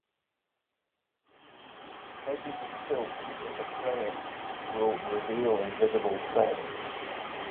Edges of silk that are fraying will reveal "invisible thread".